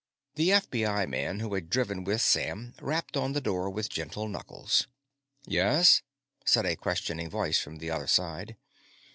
The FBI man who had driven with Sam rapped on the door with gentle knuckles. "Yes?" said a questioning voice from the other side.